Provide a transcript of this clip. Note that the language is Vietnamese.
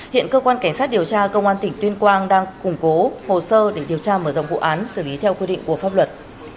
hiện cơ quan cảnh sát điều tra công an tỉnh tuyên quang đang củng cố hồ sơ để điều tra mở rộng vụ án xử lý theo quy định của pháp luật